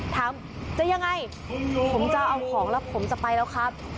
ถามจะยังไงผมจะเอาของแล้วผมจะไปแล้วครับ